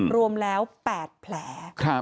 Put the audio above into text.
รวมแล้ว๘แผล